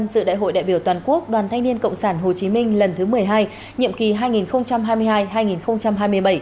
dự đại hội đại biểu toàn quốc đoàn thanh niên cộng sản hồ chí minh lần thứ một mươi hai nhiệm kỳ hai nghìn hai mươi hai hai nghìn hai mươi bảy